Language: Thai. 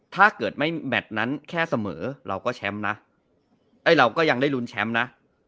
ถ้าเกิดไม่แมทนั้นแค่เสมอเราก็แชมป์นะเราก็ยังได้ลุ้นแชมป์นะ